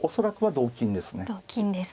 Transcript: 同金ですね。